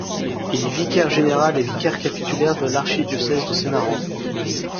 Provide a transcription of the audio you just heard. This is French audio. Il est vicaire général et vicaire capitulaire de l'archidiocèse de Semarang.